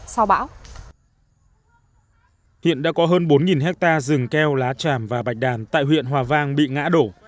sau bão hiện đã có hơn bốn hectare rừng keo lá tràm và bạch đàn tại huyện hòa vang bị ngã đổ